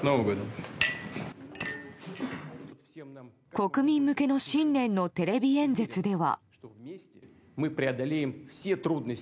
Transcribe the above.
国民向けの新年のテレビ演説では。